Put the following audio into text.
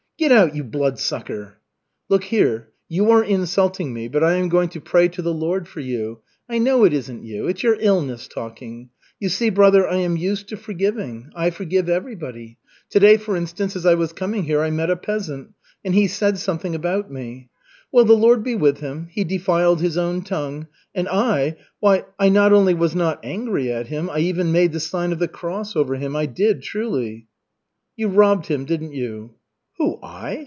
"Get out, you Bloodsucker!" "Look here, you are insulting me, but I am going to pray to the Lord for you. I know it isn't you, it's your illness talking. You see, brother, I am used to forgiving. I forgive everybody. Today, for instance, as I was coming here I met a peasant, and he said something about me. Well, the Lord be with him. He defiled his own tongue. And I, why I not only was not angry at him, I even made the sign of the cross over him, I did truly." "You robbed him, didn't you?" "Who, I?